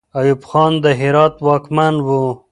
ایوب خان د هرات واکمن وو.